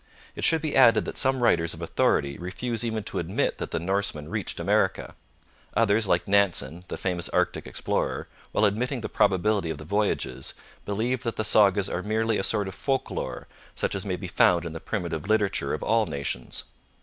It should be added that some writers of authority refuse even to admit that the Norsemen reached America. Others, like Nansen, the famous Arctic explorer, while admitting the probability of the voyages, believe that the sagas are merely a sort of folklore, such as may be found in the primitive literature of all nations.